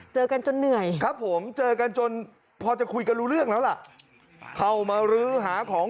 ชาวบ้านก็กลัวลูกจะเดือดร้อน